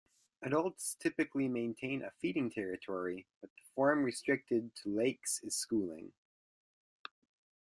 Adults typically maintain a feeding territory, but the form restricted to lakes is schooling.